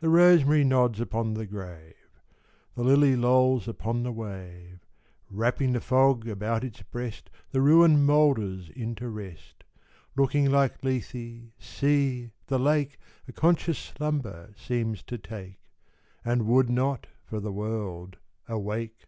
The rosemary nods upon the grave; The lily lolls upon the wave; Wrapping the fog about its breast, The ruin moulders into rest; Looking like Lethe, see! the lake A conscious slumber seems to take, And would not, for the world, awake.